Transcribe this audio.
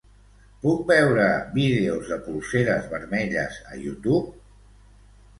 Puc veure vídeos de "Polseres vermelles" a YouTube?